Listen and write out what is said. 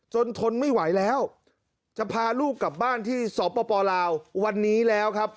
ทนไม่ไหวแล้วจะพาลูกกลับบ้านที่สปลาววันนี้แล้วครับ